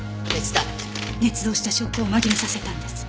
捏造した証拠を紛れさせたんです。